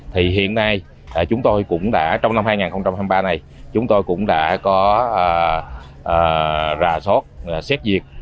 trong năm hai nghìn hai mươi ba này chúng tôi cũng đã có rà sót xét diệt